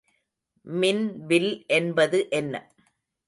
மின் வில் என்பது என்ன?